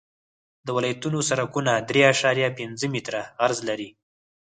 د ولایتونو سرکونه درې اعشاریه پنځه متره عرض لري